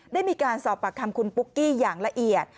ได้มีการสอบปากคำคุณปุ๊กกี้อย่างละเอียด